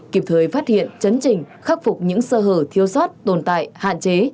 kịp thời phát hiện chấn trình khắc phục những sơ hở thiếu sót tồn tại hạn chế